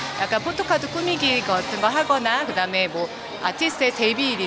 dan juga untuk menikmati acara yang berlaku di dalam hari hari